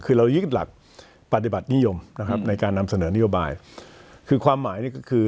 คือเรายึดหลักปฏิบัตินิยมนะครับในการนำเสนอนโยบายคือความหมายนี่ก็คือ